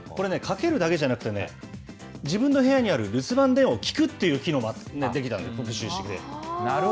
これね、かけるだけじゃなくてね、自分の部屋にある留守番電話を聞くっていう機能もできたんですよ。